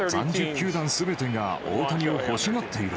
球団すべてが大谷を欲しがっている。